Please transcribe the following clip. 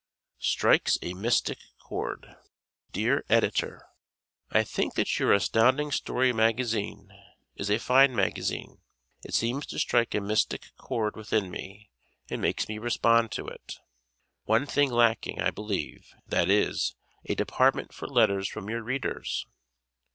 "Strikes a Mystic Chord" Dear Editor: I think that your Astounding Story Magazine is a fine magazine. It seems to strike a mystic cord within me and makes me respond to it. One thing lacking I believe, that is a department for letters from your readers.